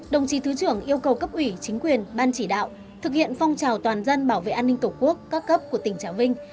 đồng chí thứ trưởng yêu cầu cấp ủy chính quyền ban chỉ đạo thực hiện phong trào toàn dân bảo vệ an ninh tổ quốc các cấp của tỉnh trà vinh